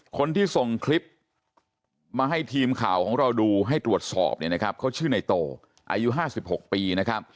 คนที่ส่งคลิปมาให้ทีมข่าวของเราดูให้ตรวจสอบเขาชื่อในโตอายุ๕๖ปี